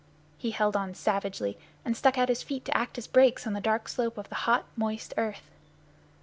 He held on savagely, and stuck out his feet to act as brakes on the dark slope of the hot, moist earth.